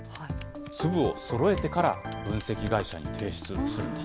粒をそろえてから分析会社に提出するんです。